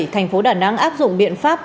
tp đà nẵng áp dụng biện pháp